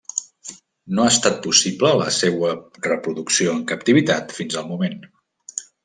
No ha estat possible la seua reproducció en captivitat fins al moment.